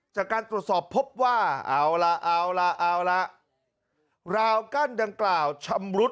จากการตรวจสอบพบว่าเอาล่ะเอาล่ะเอาละราวกั้นดังกล่าวชำรุด